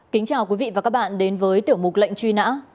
kính chào quý vị và các bạn đến với tiểu mục lệnh truy nã